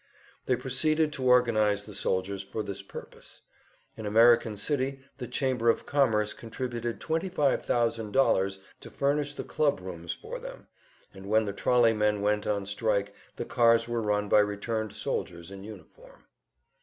They proceeded to organize the soldiers for this purpose; in American City the Chamber of Commerce contributed twenty five thousand dollars to furnish the club rooms for them, and when the trolley men went on strike the cars were run by returned soldiers in uniform.